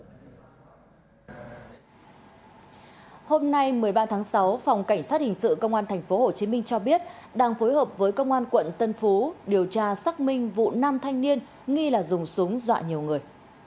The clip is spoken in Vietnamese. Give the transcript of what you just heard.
hôm nay một mươi ba tháng sáu phòng cảnh sát hình sự công an tp hcm cho biết đang phối hợp với công an quận tân phú điều tra xác minh vụ nam thanh niên nghi là dùng súng dọa nhiều người